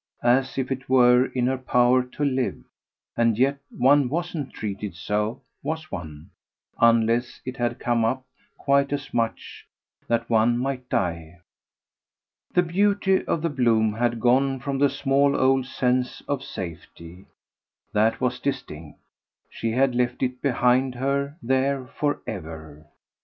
as if it were in her power to live; and yet one wasn't treated so was one? unless it had come up, quite as much, that one might die. The beauty of the bloom had gone from the small old sense of safety that was distinct: she had left it behind her there for ever.